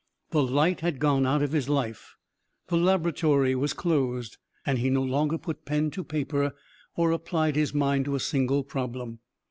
The light had gone out of his life; the laboratory was closed; he no longer put pen to paper or applied his mind to a single problem.